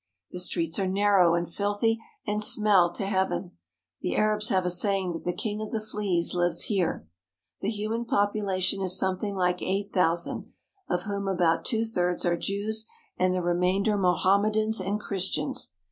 The streets are narrow and filthy and smell to heaven. The Arabs have a saying that the king of the fleas lives here. The human population is something like eight thousand, of whom about two thirds are Jews and the remainder Mohammedans and Christians.